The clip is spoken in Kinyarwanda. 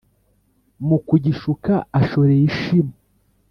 mu kugishuka ashoreye ishimo.